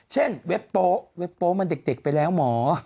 เว็บโป๊เว็บโป๊มันเด็กไปแล้วหมอ